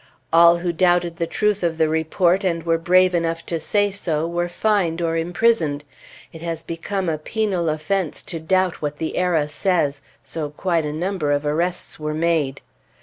All who doubted the truth of the report and were brave enough to say so were fined or imprisoned; it has become a penal offense to doubt what the "Era" says; so quite a number of arrests were made.